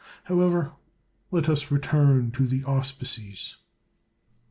However, let us return to the auspices.